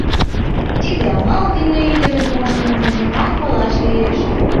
Тиде амал дене ӱдырын мо шонымыжымат палаш лиеш.